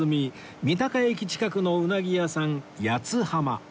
三鷹駅近くのうなぎ屋さん八つ浜